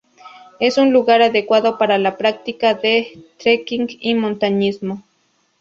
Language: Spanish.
Es un lugar adecuado para la práctica de trekking y montañismo.